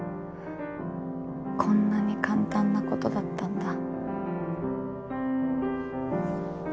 こんなに簡単なことだったんだ。